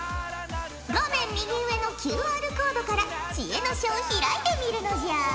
画面右上のＱＲコードから知恵の書を開いてみるのじゃ！